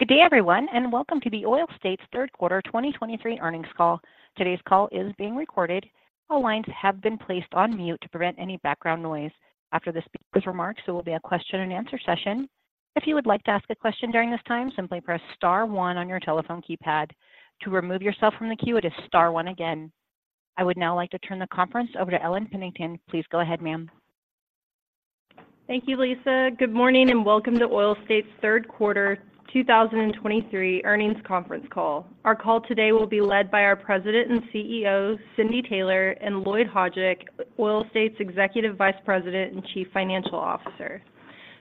Good day, everyone, and welcome to the Oil States third quarter 2023 earnings call. Today's call is being recorded. All lines have been placed on mute to prevent any background noise. After the speaker's remarks, there will be a question-and-answer session. If you would like to ask a question during this time, simply press star one on your telephone keypad. To remove yourself from the queue, it is star one again. I would now like to turn the conference over to Ellen Pennington. Please go ahead, ma'am. Thank you, Lisa. Good morning, and welcome to Oil States third quarter 2023 earnings conference call. Our call today will be led by our President and CEO, Cindy Taylor, and Lloyd Hajdik, Oil States Executive Vice President and Chief Financial Officer.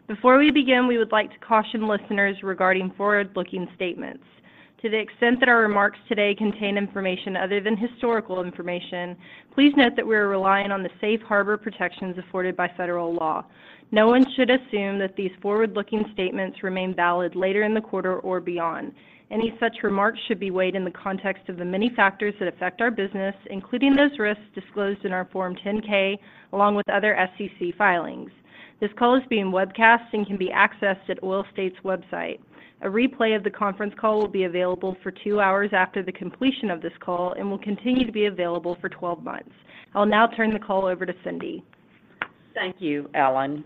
Before we begin, we would like to caution listeners regarding forward-looking statements. To the extent that our remarks today contain information other than historical information, please note that we are relying on the safe harbor protections afforded by federal law. No one should assume that these forward-looking statements remain valid later in the quarter or beyond. Any such remarks should be weighed in the context of the many factors that affect our business, including those risks disclosed in our Form 10-K, along with other SEC filings. This call is being webcast and can be accessed at Oil States' website. A replay of the conference call will be available for two hours after the completion of this call and will continue to be available for 12 months. I'll now turn the call over to Cindy. Thank you, Ellen.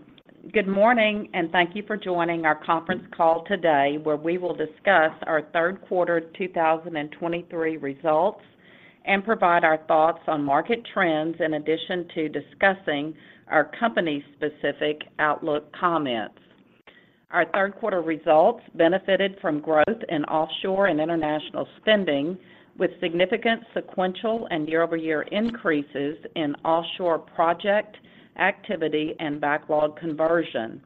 Good morning, and thank you for joining our conference call today, where we will discuss our third quarter 2023 results and provide our thoughts on market trends, in addition to discussing our company-specific outlook comments. Our third quarter results benefited from growth in offshore and international spending, with significant sequential and year-over-year increases in offshore project activity and backlog conversion.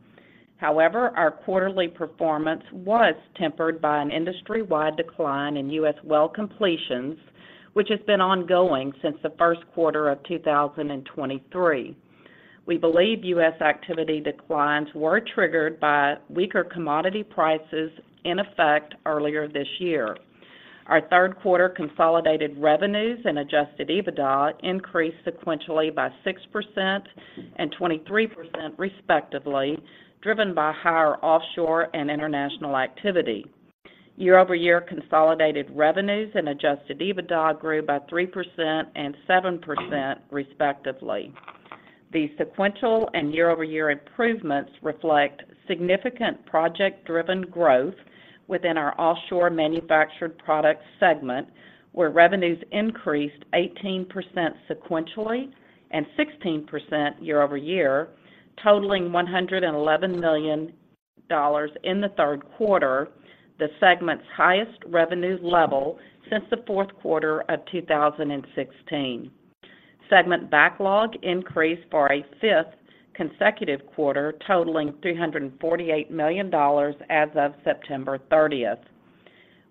However, our quarterly performance was tempered by an industry-wide decline in U.S. well completions, which has been ongoing since the first quarter of 2023. We believe U.S. activity declines were triggered by weaker commodity prices in effect earlier this year. Our third quarter consolidated revenues and adjusted EBITDA increased sequentially by 6% and 23%, respectively, driven by higher offshore and international activity. Year-over-year consolidated revenues and adjusted EBITDA grew by 3% and 7%, respectively. The sequential and year-over-year improvements reflect significant project-driven growth within our offshore manufactured products segment, where revenues increased 18% sequentially and 16% year-over-year, totaling $111 million in the third quarter, the segment's highest revenue level since the fourth quarter of 2016. Segment backlog increased for a fifth consecutive quarter, totaling $348 million as of September 30th.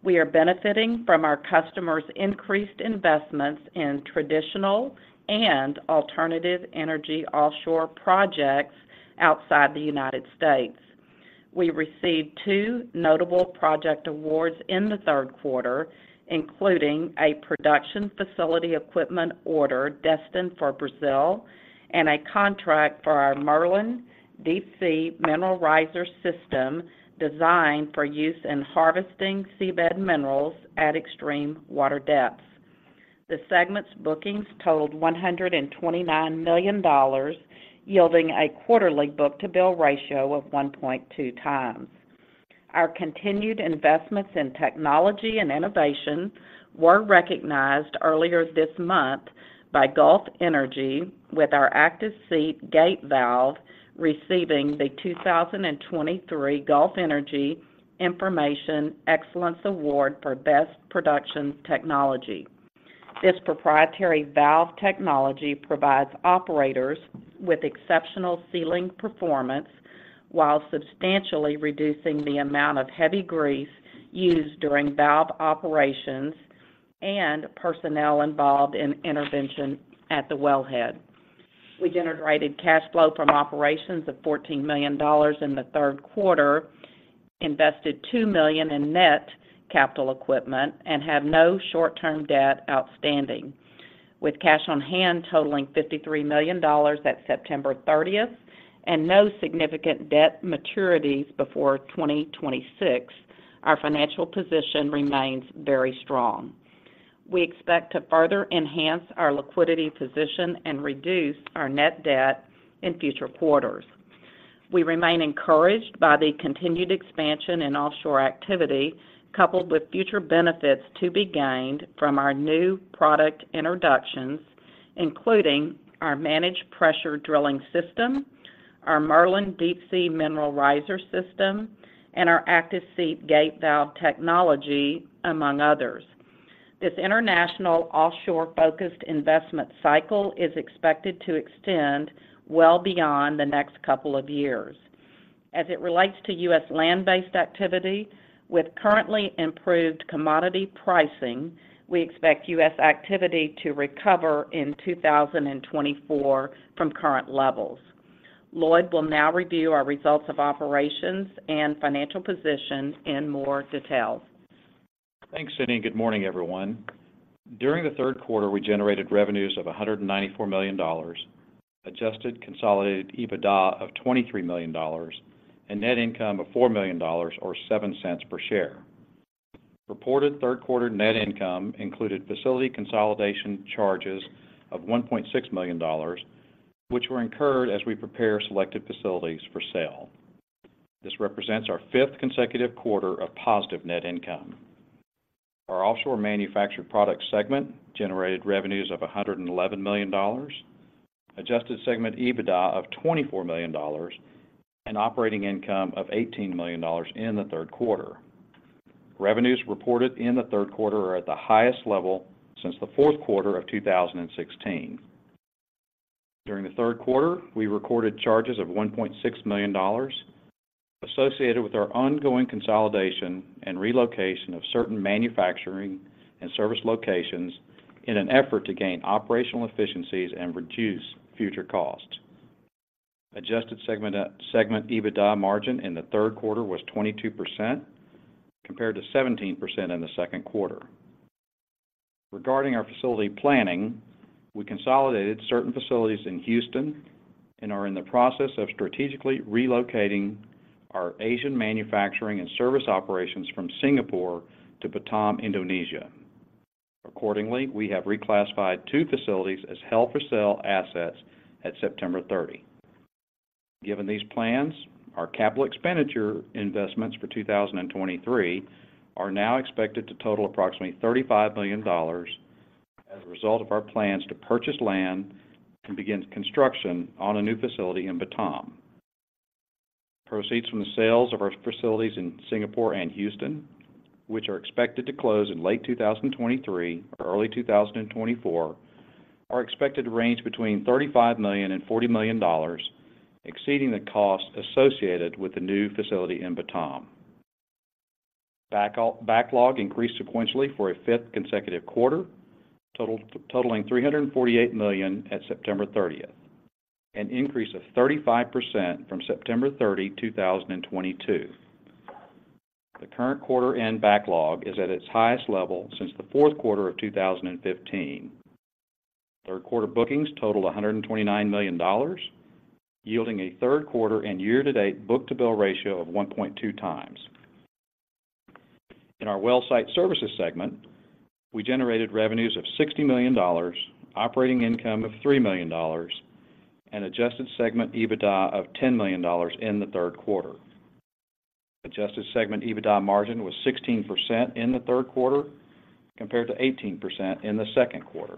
We are benefiting from our customers' increased investments in traditional and alternative energy offshore projects outside the United States. We received two notable project awards in the third quarter, including a production facility equipment order destined for Brazil and a contract for our Merlin Deepsea Mineral Riser System, designed for use in harvesting seabed minerals at extreme water depths. The segment's bookings totaled $129 million, yielding a quarterly book-to-bill ratio of 1.2x. Our continued investments in technology and innovation were recognized earlier this month by Gulf Energy Information, with our Active Seat Gate Valve receiving the 2023 Gulf Energy Information Excellence Award for Best Production Technology. This proprietary valve technology provides operators with exceptional sealing performance while substantially reducing the amount of heavy grease used during valve operations and personnel involved in intervention at the wellhead. We generated cash flow from operations of $14 million in the third quarter, invested $2 million in net capital equipment, and have no short-term debt outstanding. With cash on hand totaling $53 million at September 30th and no significant debt maturities before 2026, our financial position remains very strong. We expect to further enhance our liquidity position and reduce our net debt in future quarters. We remain encouraged by the continued expansion in offshore activity, coupled with future benefits to be gained from our new product introductions, including our managed pressure drilling system, our Merlin Deepsea Mineral Riser System, and our Active Seat Gate Valve technology, among others. This international offshore-focused investment cycle is expected to extend well beyond the next couple of years. As it relates to U.S. land-based activity, with currently improved commodity pricing, we expect U.S. activity to recover in 2024 from current levels. Lloyd will now review our results of operations and financial position in more detail. Thanks, Cindy, and good morning, everyone. During the third quarter, we generated revenues of $194 million, adjusted consolidated EBITDA of $23 million, and net income of $4 million or $0.7 per share. Reported third quarter net income included facility consolidation charges of $1.6 million, which were incurred as we prepare selected facilities for sale. This represents our fifth consecutive quarter of positive net income. Our offshore manufactured products segment generated revenues of $111 million, adjusted segment EBITDA of $24 million, and operating income of $18 million in the third quarter. Revenues reported in the third quarter are at the highest level since the fourth quarter of 2016. During the third quarter, we recorded charges of $1.6 million associated with our ongoing consolidation and relocation of certain manufacturing and service locations in an effort to gain operational efficiencies and reduce future costs. Adjusted segment EBITDA margin in the third quarter was 22%, compared to 17% in the second quarter. Regarding our facility planning, we consolidated certain facilities in Houston and are in the process of strategically relocating our Asian manufacturing and service operations from Singapore to Batam, Indonesia. Accordingly, we have reclassified two facilities as held-for-sale assets at September 30. Given these plans, our capital expenditure investments for 2023 are now expected to total approximately $35 million as a result of our plans to purchase land and begin construction on a new facility in Batam. Proceeds from the sales of our facilities in Singapore and Houston, which are expected to close in late 2023 or early 2024, are expected to range between $35 million and $40 million, exceeding the cost associated with the new facility in Batam. Backlog increased sequentially for a fifth consecutive quarter, totaling $348 million at September 30th, an increase of 35% from September 30, 2022. The current quarter-end backlog is at its highest level since the fourth quarter of 2015. Third quarter bookings totaled $129 million, yielding a third quarter and year-to-date book-to-bill ratio of 1.2x. In our wellsite services segment, we generated revenues of $60 million, operating income of $3 million, and adjusted segment EBITDA of $10 million in the third quarter. Adjusted segment EBITDA margin was 16% in the third quarter, compared to 18% in the second quarter.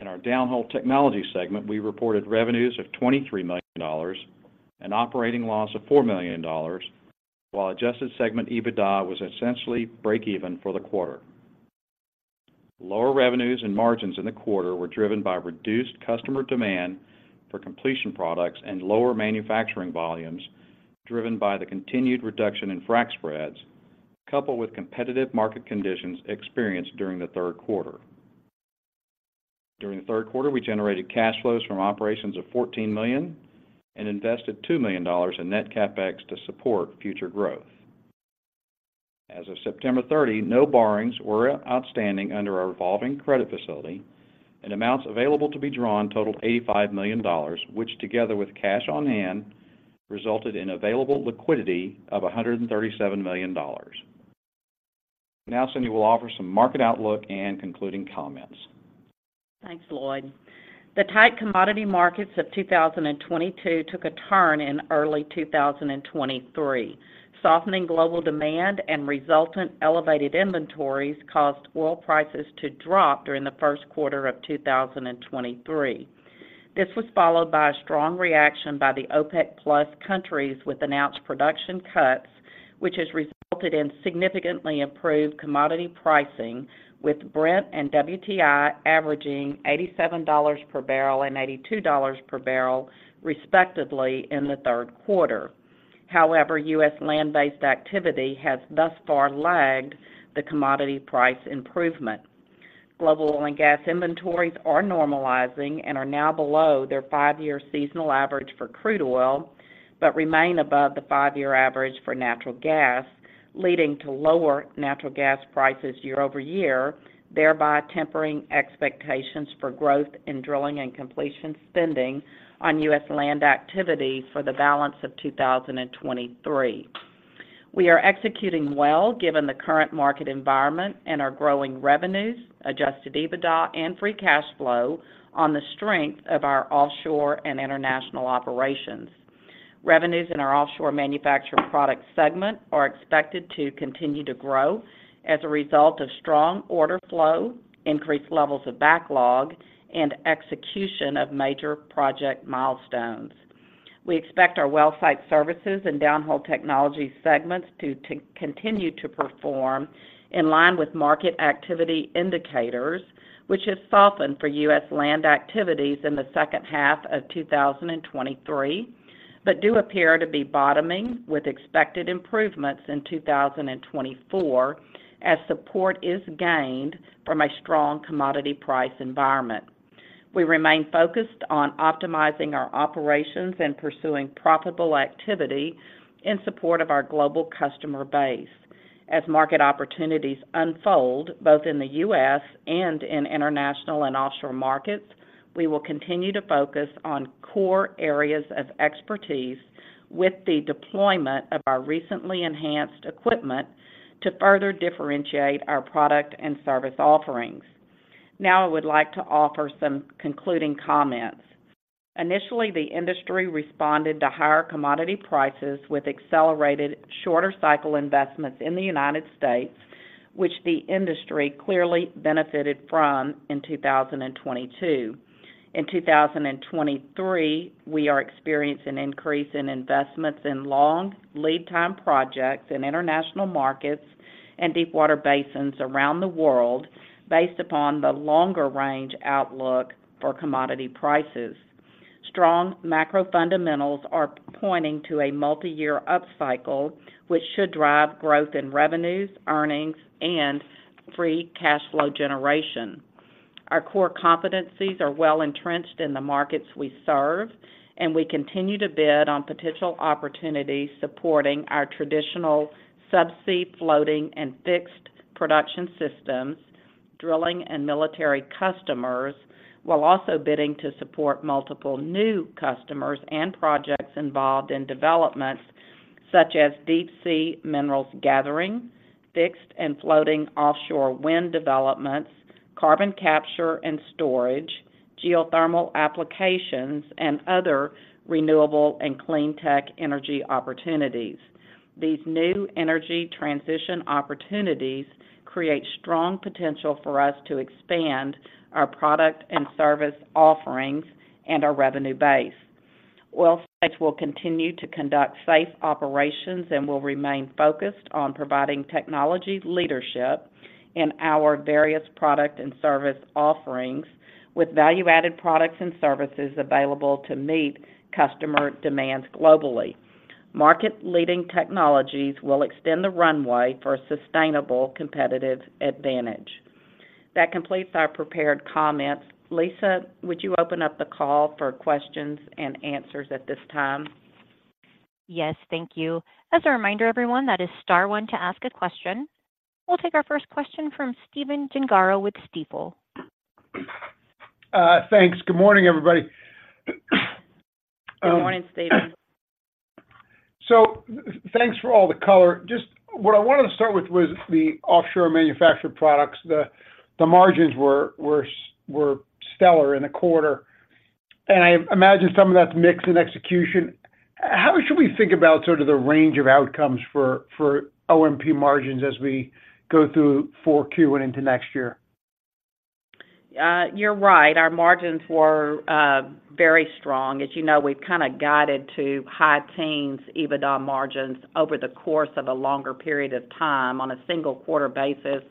In our downhole technology segment, we reported revenues of $23 million and operating loss of $4 million, while adjusted segment EBITDA was essentially breakeven for the quarter. Lower revenues and margins in the quarter were driven by reduced customer demand for completion products and lower manufacturing volumes, driven by the continued reduction in frac spreads, coupled with competitive market conditions experienced during the third quarter. During the third quarter, we generated cash flows from operations of $14 million and invested $2 million in net CapEx to support future growth. As of September 30, no borrowings were outstanding under our revolving credit facility, and amounts available to be drawn totaled $85 million, which together with cash on hand, resulted in available liquidity of $137 million. Now, Cindy will offer some market outlook and concluding comments. Thanks, Lloyd. The tight commodity markets of 2022 took a turn in early 2023. Softening global demand and resultant elevated inventories caused oil prices to drop during the first quarter of 2023. This was followed by a strong reaction by the OPEC+ countries, with announced production cuts, which has resulted in significantly improved commodity pricing, with Brent and WTI averaging $87 per barrel and $82 per barrel, respectively, in the third quarter. However, U.S. land-based activity has thus far lagged the commodity price improvement. Global oil and gas inventories are normalizing and are now below their five-year seasonal average for crude oil, but remain above the five-year average for natural gas, leading to lower natural gas prices year-over-year, thereby tempering expectations for growth in drilling and completion spending on U.S. land activities for the balance of 2023. We are executing well, given the current market environment and our growing revenues, adjusted EBITDA and free cash flow on the strength of our offshore manufactured products and international operations. Revenues in our offshore manufactured products segment are expected to continue to grow as a result of strong order flow, increased levels of backlog, and execution of major project milestones. We expect our wellsite services and downhole technology segments to continue to perform in line with market activity indicators, which have softened for U.S. land activities in the second half of 2023, but do appear to be bottoming with expected improvements in 2024 as support is gained from a strong commodity price environment. We remain focused on optimizing our operations and pursuing profitable activity in support of our global customer base. As market opportunities unfold, both in the U.S. and in international and offshore markets, we will continue to focus on core areas of expertise with the deployment of our recently enhanced equipment to further differentiate our product and service offerings. Now, I would like to offer some concluding comments. Initially, the industry responded to higher commodity prices with accelerated, shorter cycle investments in the United States, which the industry clearly benefited from in 2022. In 2023, we are experiencing an increase in investments in long lead time projects in international markets and deepwater basins around the world, based upon the longer range outlook for commodity prices. Strong macro fundamentals are pointing to a multi-year upcycle, which should drive growth in revenues, earnings, and free cash flow generation. Our core competencies are well entrenched in the markets we serve, and we continue to bid on potential opportunities supporting our traditional subsea, floating, and fixed production systems, drilling and military customers, while also bidding to support multiple new customers and projects involved in developments such as deep sea minerals gathering, fixed and floating offshore wind developments, carbon capture and storage, geothermal applications, and other renewable and clean tech energy opportunities. These new energy transition opportunities create strong potential for us to expand our product and service offerings and our revenue base. Oil States will continue to conduct safe operations and will remain focused on providing technology leadership in our various product and service offerings, with value-added products and services available to meet customer demands globally. Market-leading technologies will extend the runway for a sustainable competitive advantage. That completes our prepared comments. Lisa, would you open up the call for questions and answers at this time? Yes, thank you. As a reminder, everyone, that is star one to ask a question. We'll take our first question from Stephen Gengaro with Stifel. Thanks. Good morning, everybody. Good morning, Stephen. Thanks for all the color. Just what I wanted to start with was the offshore manufactured products. The margins were stellar in the quarter, and I imagine some of that's mix and execution. How should we think about sort of the range of outcomes for OMP margins as we go through 4Q and into next year? You're right. Our margins were very strong. As you know, we've kinda guided to high teens EBITDA margins over the course of a longer period of time. On a single quarter basis,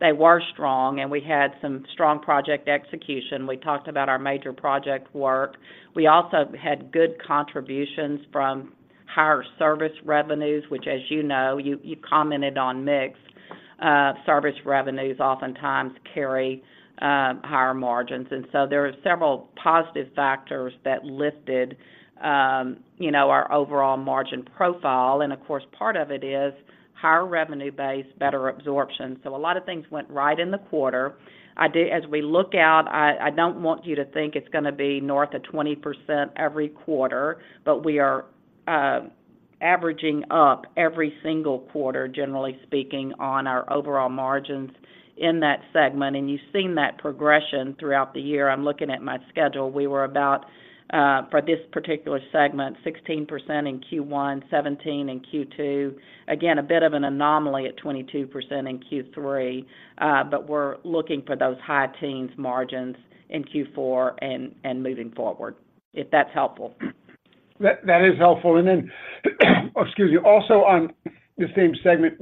they were strong, and we had some strong project execution. We talked about our major project work. We also had good contributions from higher service revenues, which, as you know, you commented on mix. Service revenues oftentimes carry higher margins. And so there are several positive factors that lifted, you know, our overall margin profile, and of course, part of it is higher revenue base, better absorption. So a lot of things went right in the quarter. I do, as we look out, I, I don't want you to think it's gonna be north of 20% every quarter, but we are averaging up every single quarter, generally speaking, on our overall margins in that segment, and you've seen that progression throughout the year. I'm looking at my schedule. We were about, for this particular segment, 16% in Q1, 17% in Q2. Again, a bit of an anomaly at 22% in Q3, but we're looking for those high teens margins in Q4 and, and moving forward, if that's helpful. That is helpful. And then, excuse me, also on the same segment,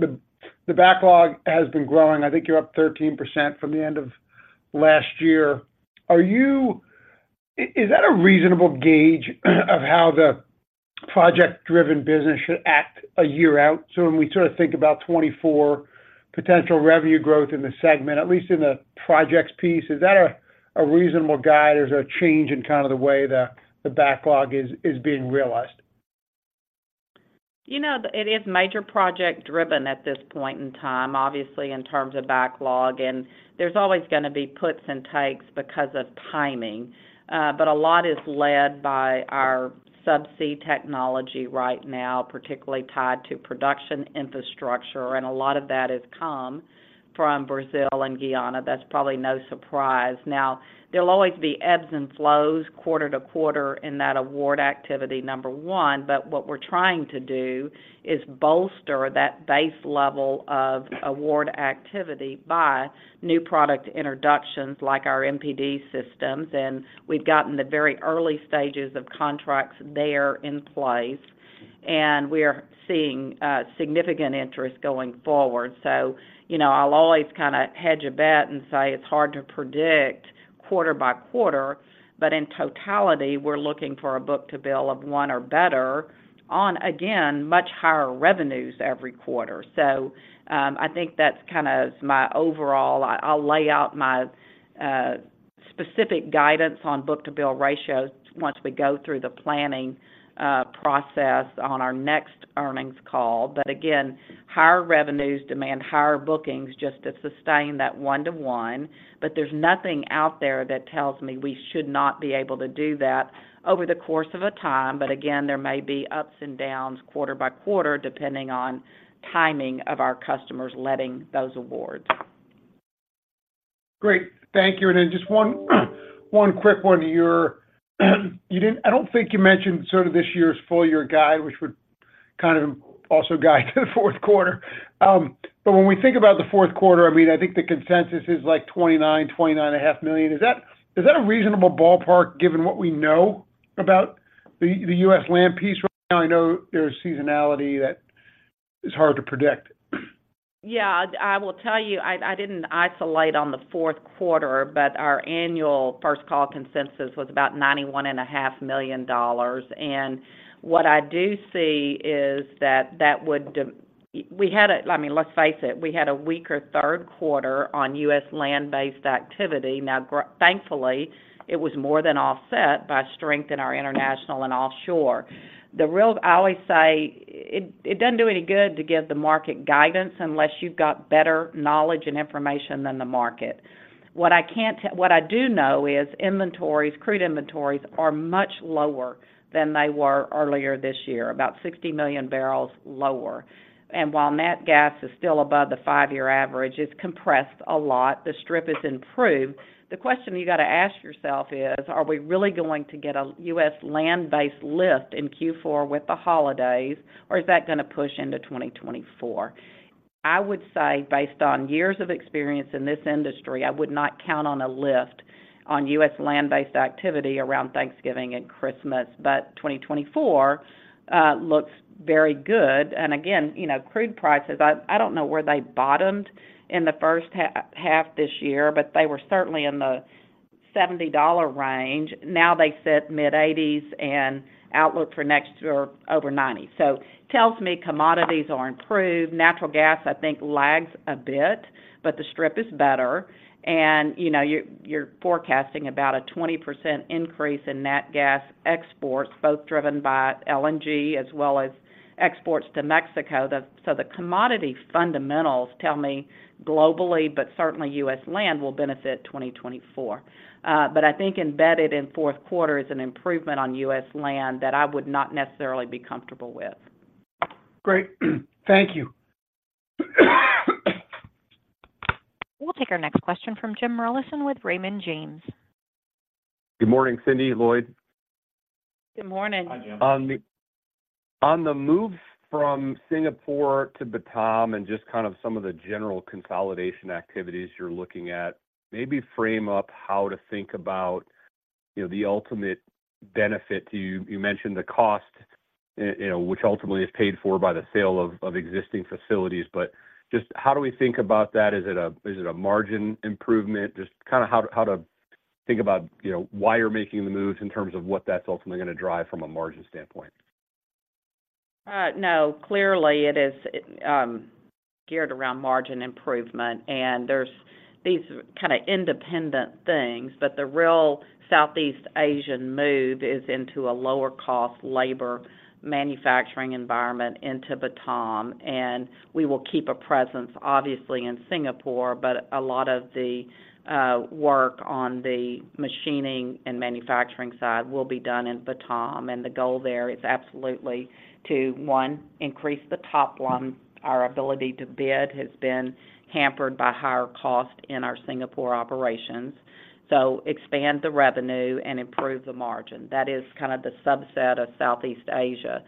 the backlog has been growing. I think you're up 13% from the end of last year. Is that a reasonable gauge of how the project-driven business should act a year out? So when we sort of think about 2024 potential revenue growth in the segment, at least in the projects piece, is that a reasonable guide, or is there a change in kind of the way the backlog is being realized? You know, it is major project-driven at this point in time, obviously, in terms of backlog, and there's always gonna be puts and takes because of timing. But a lot is led by our subsea technology right now, particularly tied to production infrastructure, and a lot of that has come from Brazil and Guyana. That's probably no surprise. Now, there'll always be ebbs and flows quarter to quarter in that award activity, number one, but what we're trying to do is bolster that base level of award activity by new product introductions like our MPD systems, and we've gotten the very early stages of contracts there in place, and we are seeing significant interest going forward. So, you know, I'll always kinda hedge a bet and say it's hard to predict quarter by quarter, but in totality, we're looking for a book-to-bill of one or better on, again, much higher revenues every quarter. So, I think that's kind of my overall. I'll lay out my specific guidance on book-to-bill ratios once we go through the planning process on our next earnings call. But again, higher revenues demand higher bookings just to sustain that one-to-one. But there's nothing out there that tells me we should not be able to do that over the course of a time. But again, there may be ups and downs quarter by quarter, depending on timing of our customers letting those awards. Great. Thank you, and then just one quick one. You didn't, I don't think you mentioned sort of this year's full year guide, which would kind of also guide to the fourth quarter. But when we think about the fourth quarter, I mean, I think the consensus is like $29 million-$29.5 million. Is that a reasonable ballpark, given what we know about the U.S. land piece right now? I know there's seasonality that is hard to predict. Yeah, I will tell you, I didn't isolate on the fourth quarter, but our annual first call consensus was about $91.5 million. And what I do see is that that would. We had a, I mean, let's face it, we had a weaker third quarter on U.S. land-based activity. Now, thankfully, it was more than offset by strength in our international and offshore. I always say, it doesn't do any good to give the market guidance unless you've got better knowledge and information than the market. What I do know is inventories, crude inventories are much lower than they were earlier this year, about 60 million barrels lower. And while nat gas is still above the five-year average, it's compressed a lot. The strip has improved. The question you got to ask yourself is, are we really going to get a U.S. land-based lift in Q4 with the holidays, or is that going to push into 2024? I would say, based on years of experience in this industry, I would not count on a lift on U.S. land-based activity around Thanksgiving and Christmas, but 2024 looks very good. And again, you know, crude prices, I, I don't know where they bottomed in the first half this year, but they were certainly in the $70 range. Now they sit mid-$80s, and outlook for next year over $90. So tells me commodities are improved. Natural gas, I think, lags a bit, but the strip is better. And, you know, you're, you're forecasting about a 20% increase in nat gas exports, both driven by LNG as well as exports to Mexico. The commodity fundamentals tell me globally, but certainly U.S. land will benefit 2024. But I think embedded in fourth quarter is an improvement on U.S. land that I would not necessarily be comfortable with. Great. Thank you. We'll take our next question from Jim Rollyson with Raymond James. Good morning, Cindy, Lloyd. Good morning. Hi, Jim. On the move from Singapore to Batam and just kind of some of the general consolidation activities you're looking at, maybe frame up how to think about, you know, the ultimate benefit to you. You mentioned the cost, you know, which ultimately is paid for by the sale of existing facilities, but just how do we think about that? Is it a margin improvement? Just kinda how to think about, you know, why you're making the moves in terms of what that's ultimately going to drive from a margin standpoint. No, clearly, it is geared around margin improvement, and there's these kinda independent things, but the real Southeast Asian move is into a lower-cost labor manufacturing environment into Batam. And we will keep a presence, obviously, in Singapore, but a lot of the work on the machining and manufacturing side will be done in Batam, and the goal there is absolutely to, one, increase the top line. Our ability to bid has been hampered by higher cost in our Singapore operations, so expand the revenue and improve the margin. That is kind of the subset of Southeast Asia.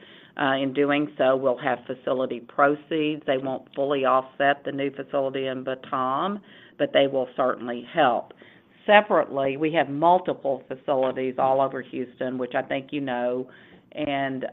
In doing so, we'll have facility proceeds. They won't fully offset the new facility in Batam, but they will certainly help. Separately, we have multiple facilities all over Houston, which I think you know, and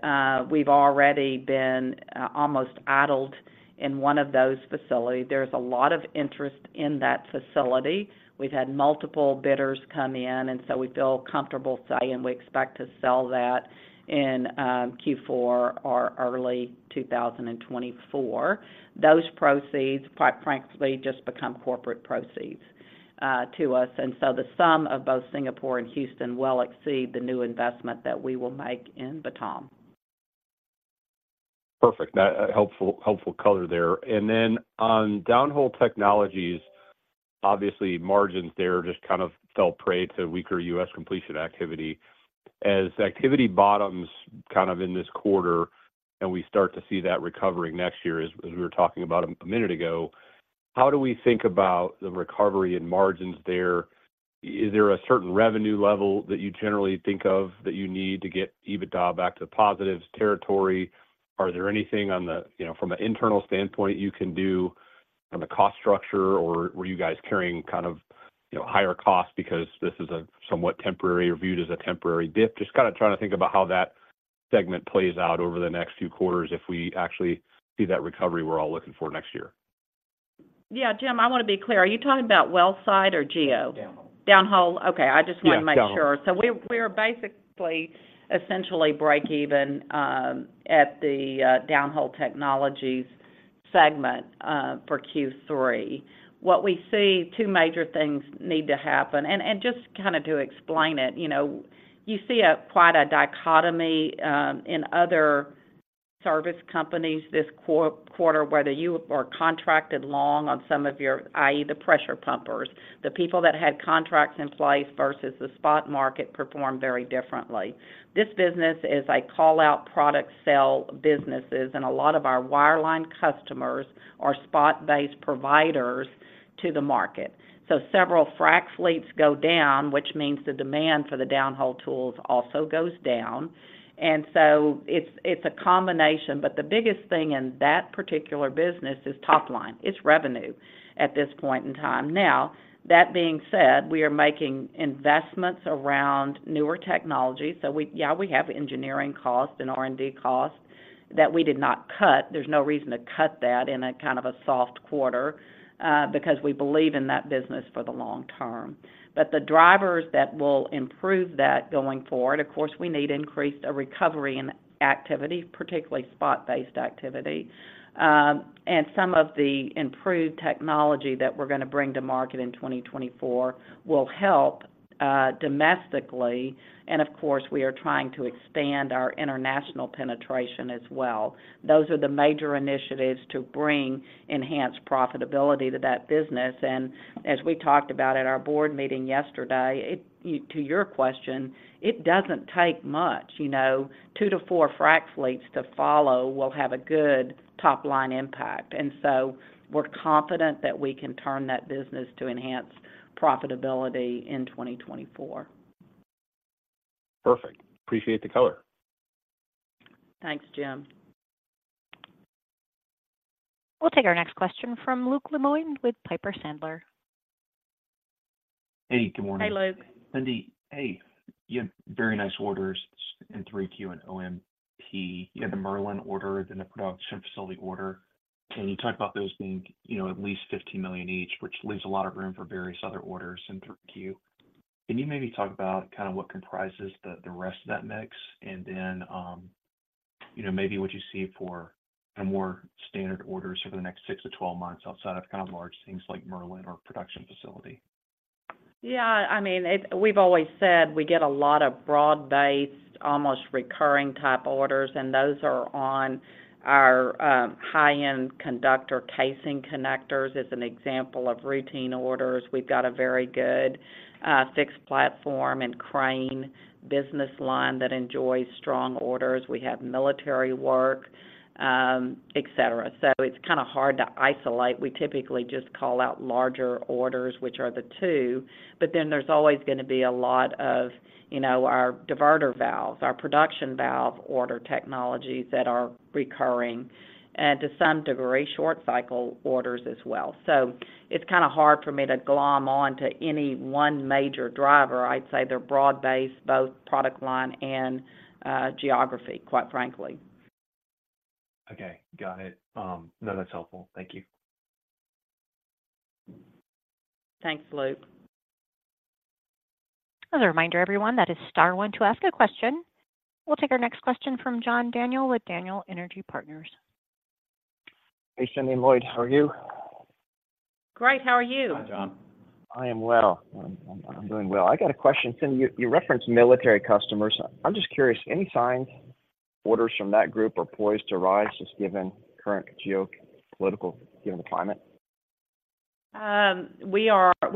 we've already been almost idled in one of those facilities. There's a lot of interest in that facility. We've had multiple bidders come in, and so we feel comfortable saying we expect to sell that in Q4 or early 2024. Those proceeds, quite frankly, just become corporate proceeds to us, and so the sum of both Singapore and Houston will exceed the new investment that we will make in Batam. Perfect. That, helpful, helpful color there. And then on downhole technologies, obviously, margins there just kind of fell prey to weaker U.S. completion activity. As activity bottoms kind of in this quarter, and we start to see that recovering next year, as, as we were talking about a, a minute ago, how do we think about the recovery in margins there? Is there a certain revenue level that you generally think of that you need to get EBITDA back to positive territory? Are there anything on the, you know, from an internal standpoint, you can do from a cost structure, or were you guys carrying kind of, you know, higher costs because this is a somewhat temporary or viewed as a temporary dip? Just kinda trying to think about how that segment plays out over the next few quarters if we actually see that recovery we're all looking for next year. Yeah, Jim, I want to be clear. Are you talking about well site or geo? Downhole. Downhole? Okay, I just want to make sure. Yeah, downhole. So we're basically essentially break even at the downhole technologies segment for Q3. What we see, two major things need to happen, and just kinda to explain it, you know, you see quite a dichotomy in other service companies this quarter, whether you are contracted long on some of your, i.e., the pressure pumpers, the people that had contracts in place versus the spot market, performed very differently. This business is a call-out product sell businesses, and a lot of our wireline customers are spot-based providers to the market. So several frac fleets go down, which means the demand for the downhole tools also goes down. And so it's a combination, but the biggest thing in that particular business is top line. It's revenue at this point in time. Now, that being said, we are making investments around newer technology. So yeah, we have engineering costs and R&D costs that we did not cut. There's no reason to cut that in a kind of a soft quarter, because we believe in that business for the long term. But the drivers that will improve that going forward, of course, we need increased recovery and activity, particularly spot-based activity. And some of the improved technology that we're going to bring to market in 2024 will help, domestically, and of course, we are trying to expand our international penetration as well. Those are the major initiatives to bring enhanced profitability to that business. And as we talked about at our board meeting yesterday, it, to your question, it doesn't take much. You know, 2-4 frac fleets to follow will have a good top line impact. We're confident that we can turn that business to enhance profitability in 2024. Perfect. Appreciate the color. Thanks, Jim. We'll take our next question from Luke Lemoine with Piper Sandler. Hey, good morning. Hey, Luke. Cindy, hey, you had very nice orders in Q3 and OMP. You had the Merlin order, then the production facility order, and you talked about those being at least $15 million each, which leaves a lot of room for various other orders in Q3. Can you maybe talk about kind of what comprises the rest of that mix, and then, you know, maybe what you see for a more standard order sort of the next 6-12 months outside of kind of large things like Merlin or production facility? Yeah, I mean, it, we've always said we get a lot of broad-based, almost recurring type orders, and those are on our high-end conductor casing connectors as an example of routine orders. We've got a very good fixed platform and crane business line that enjoys strong orders. We have military work, et cetera. So it's kinda hard to isolate. We typically just call out larger orders, which are the two, but then there's always gonna be a lot of, you know, our diverter valves, our production valve order technologies that are recurring, and to some degree, short cycle orders as well. So it's kinda hard for me to glom on to any one major driver. I'd say they're broad-based, both product line and geography, quite frankly. Okay, got it. No, that's helpful. Thank you. Thanks, Luke. As a reminder, everyone, that is star one to ask a question. We'll take our next question from John Daniel with Daniel Energy Partners. Hey, Cindy Lloyd, how are you? Great, how are you? Hi, John. I am well. I'm doing well. I got a question. Cindy, you referenced military customers. I'm just curious, any signs, orders from that group are poised to rise, just given the current geopolitical climate? We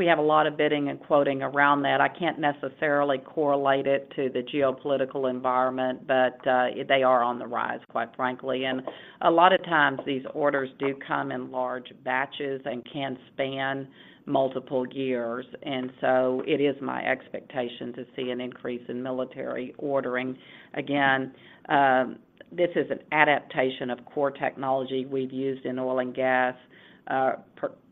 have a lot of bidding and quoting around that. I can't necessarily correlate it to the geopolitical environment, but they are on the rise, quite frankly. And a lot of times these orders do come in large batches and can span multiple years. And so it is my expectation to see an increase in military ordering. Again, this is an adaptation of core technology we've used in oil and gas,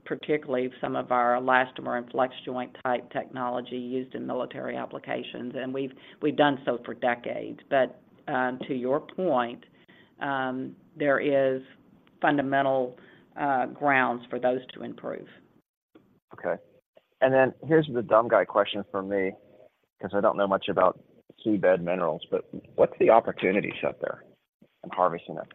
particularly some of our elastomer and flex joint type technology used in military applications, and we've done so for decades. But to your point, there is fundamental grounds for those to improve. Okay. And then here's the dumb guy question from me, because I don't know much about seabed minerals, but what's the opportunities out there in harvesting them?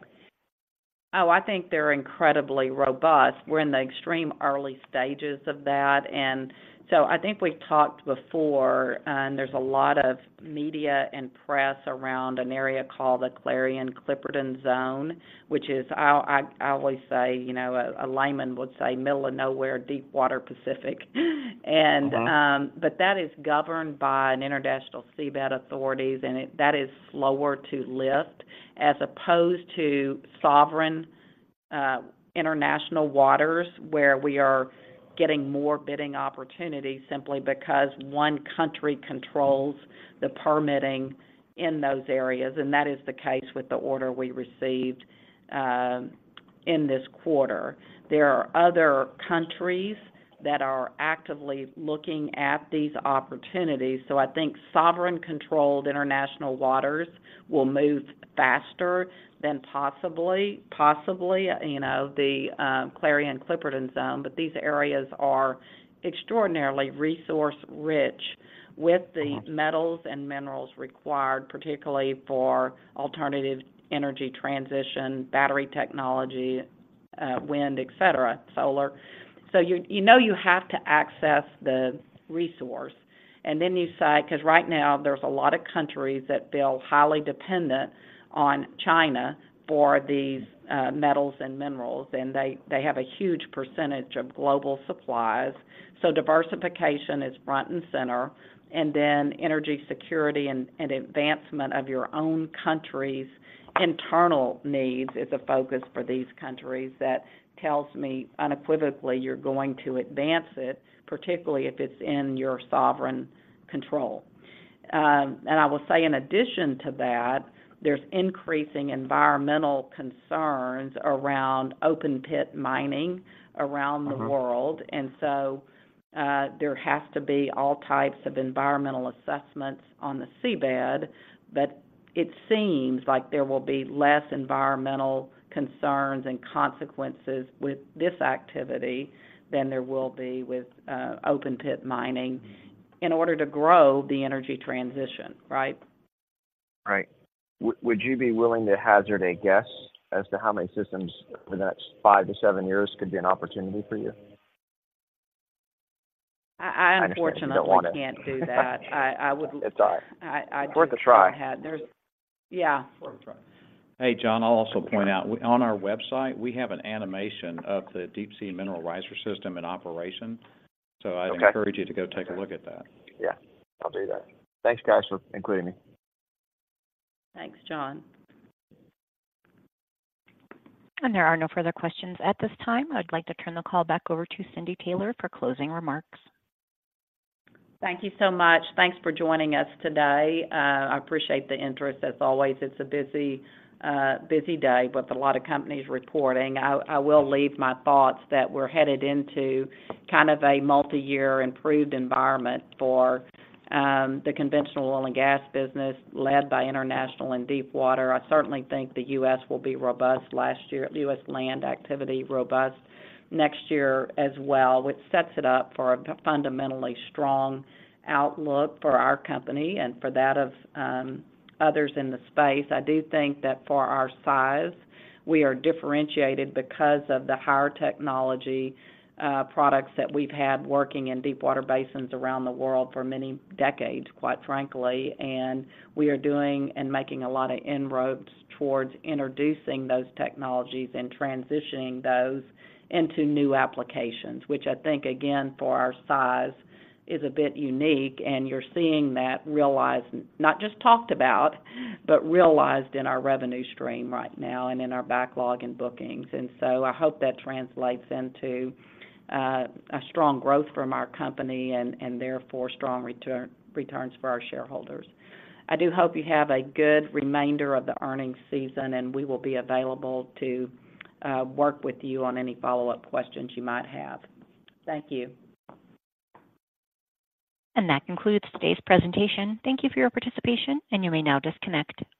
Oh, I think they're incredibly robust. We're in the extreme early stages of that. And so I think we've talked before, and there's a lot of media and press around an area called the Clarion-Clipperton Zone, which is, I always say, you know, a layman would say, middle of nowhere, deep water Pacific. Uh-huh. That is governed by an international seabed authorities, and it is slower to lift, as opposed to sovereign, you know, international waters, where we are getting more bidding opportunities simply because one country controls the permitting in those areas, and that is the case with the order we received in this quarter. There are other countries that are actively looking at these opportunities, so I think sovereign-controlled international waters will move faster than possibly, possibly, you know, the Clarion-Clipperton Zone, but these areas are extraordinarily resource rich with the metals and minerals required, particularly for alternative energy transition, battery technology, wind, et cetera, solar. So you, you know you have to access the resource, and then you say—'cause right now there's a lot of countries that feel highly dependent on China for these, metals and minerals, and they, they have a huge percentage of global supplies, so diversification is front and center. And then energy security and, and advancement of your own country's internal needs is a focus for these countries. That tells me unequivocally, you're going to advance it, particularly if it's in your sovereign control. And I will say in addition to that, there's increasing environmental concerns around open pit mining around the world, and so, there has to be all types of environmental assessments on the seabed, but it seems like there will be less environmental concerns and consequences with this activity than there will be with, open pit mining in order to grow the energy transition. Right? Right. Would you be willing to hazard a guess as to how many systems in the next five to seven years could be an opportunity for you? I, I. I understand you don't want it. Unfortunately, I can't do that. I would. It's all right. I, I. Worth a try. Yeah. Worth a try. Hey, John, I'll also point out, on our website, we have an animation of the Deepsea Mineral Riser System in operation. Okay. I'd encourage you to go take a look at that. Yeah, I'll do that. Thanks, guys, for including me. Thanks, John. There are no further questions at this time. I'd like to turn the call back over to Cindy Taylor for closing remarks. Thank you so much. Thanks for joining us today. I appreciate the interest. As always, it's a busy, busy day with a lot of companies reporting. I will leave my thoughts that we're headed into kind of a multi-year improved environment for the conventional oil and gas business, led by international and deepwater. I certainly think the U.S. will be robust last year—U.S. land activity, robust next year as well, which sets it up for a fundamentally strong outlook for our company and for that of others in the space. I do think that for our size, we are differentiated because of the higher technology products that we've had working in deepwater basins around the world for many decades, quite frankly. We are doing and making a lot of inroads towards introducing those technologies and transitioning those into new applications, which I think, again, for our size, is a bit unique, and you're seeing that realized, not just talked about, but realized in our revenue stream right now and in our backlog and bookings. So I hope that translates into a strong growth from our company and, and therefore, strong return, returns for our shareholders. I do hope you have a good remainder of the earnings season, and we will be available to work with you on any follow-up questions you might have. Thank you. That concludes today's presentation. Thank you for your participation, and you may now disconnect.